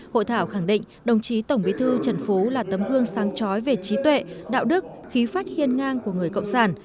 hội thảo khẳng định đồng chí tổng bí thư trần phú là tấm gương sáng trói về trí tuệ đạo đức khí phát hiên ngang của người cộng sản